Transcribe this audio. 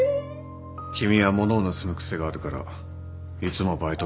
君は物を盗む癖があるからいつもバイトを首になってる。